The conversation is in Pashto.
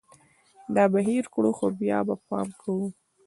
دا به هېر کړو ، خو بیا به پام کوو